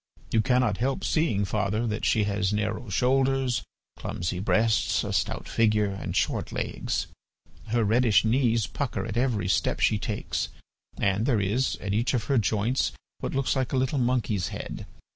You cannot help seeing, father, that she has narrow shoulders, clumsy breasts, a stout figure, and short legs. Her reddish knees pucker at every step she takes, and there is, at each of her joints, what looks like a little monkey's head.